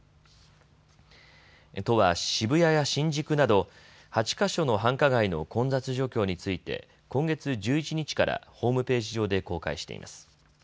都は渋谷や新宿など８か所の繁華街の混雑状況について今月１１日からホームページ上で公開しています。